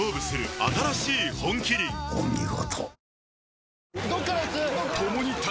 お見事。